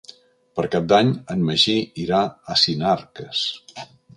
Per Cap d'Any en Magí irà a Sinarques.